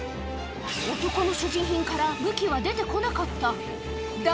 男の所持品から武器は出てこなかった。